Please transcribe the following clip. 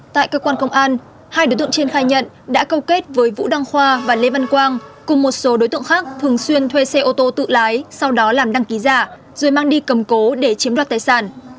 tại cơ quan công an hai đối tượng trên khai nhận đã câu kết với vũ đăng khoa và lê văn quang cùng một số đối tượng khác thường xuyên thuê xe ô tô tự lái sau đó làm đăng ký giả rồi mang đi cầm cố để chiếm đoạt tài sản